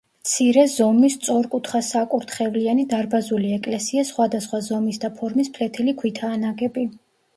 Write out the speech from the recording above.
მცირე ზომის სწორკუთხასაკურთხევლიანი დარბაზული ეკლესია სხვადასხვა ზომის და ფორმის ფლეთილი ქვითაა ნაგები.